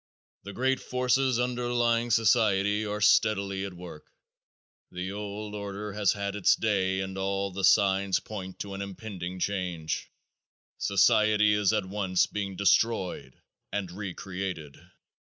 The great forces underlying society are steadily at work. The old order has had its day and all the signs point to an impending change. Society is at once being destroyed and re created.